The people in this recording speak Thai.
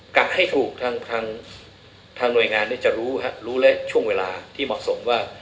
กัดให้ถูกทางหน่วยงานจะรู้รู้และช่วงเวลาที่เหมาะสมว่า